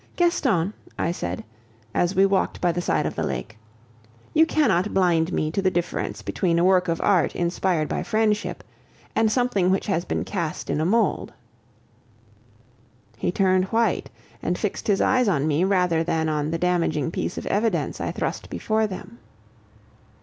"Gaston," I said, as we walked by the side of the lake, "you cannot blind me to the difference between a work of art inspired by friendship and something which has been cast in a mould." He turned white, and fixed his eyes on me rather than on the damaging piece of evidence I thrust before them.